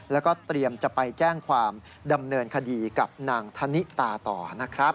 แล้วก็เตรียมจะไปแจ้งความดำเนินคดีกับนางธนิตาต่อนะครับ